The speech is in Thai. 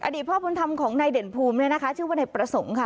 อดีตพระบุญธรรมของนายเด่นภูมิชื่อว่านายประสงค์ค่ะ